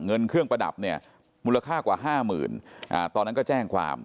เงินเครื่องประดับเนี่ยมูลค่ากว่า๕๐๐๐ตอนนั้นก็แจ้งความ